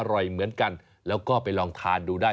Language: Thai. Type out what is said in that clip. อร่อยเหมือนกันแล้วก็ไปลองทานดูได้